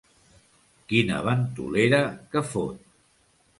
Quina ventolera que fot!